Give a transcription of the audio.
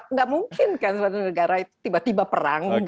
nggak mungkin kan suatu negara itu tiba tiba perang